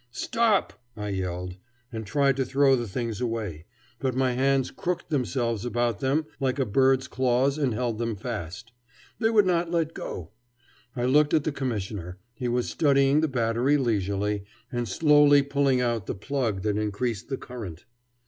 "Stop!" I yelled, and tried to throw the things away; but my hands crooked themselves about them like a bird's claws and held them fast. They would not let go. I looked at the Commissioner. He was studying the battery leisurely, and slowly pulling out the plug that increased the current.